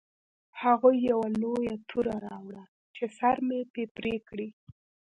هغوی یوه لویه توره راوړه چې سر مې پرې کړي